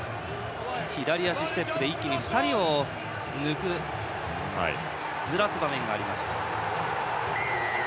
左足ステップで一気に２人をずらす場面がありました。